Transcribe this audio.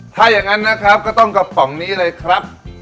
ถ้าอย่างนั้นนะครับก็ต้องกระป๋องนี้เลยครับ